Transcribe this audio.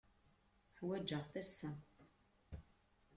Ḥwaǧeɣ-t assa.